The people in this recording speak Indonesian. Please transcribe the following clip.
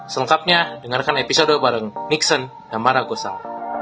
selengkapnya dengarkan episode bareng nixon dan mara gosal